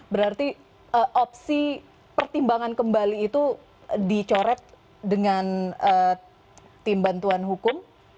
berarti opsi pertimbangan kembali itu dicoret dengan tim bantuan hukum